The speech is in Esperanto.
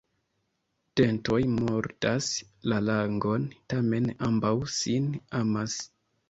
Dentoj mordas la langon, tamen ambaŭ sin amas.